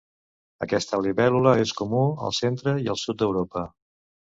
Aquesta libèl·lula és comú al centre i al sud d'Europa.